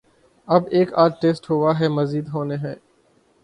اب ایک آدھ ٹیسٹ ہوا ہے، مزید ہونے ہیں۔